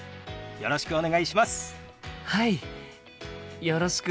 よろしくお願いします。